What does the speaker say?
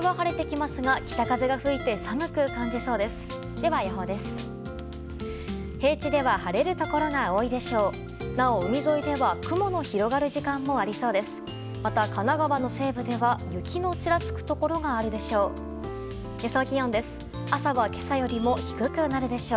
また、神奈川の西部では雪のちらつくところがあるでしょう。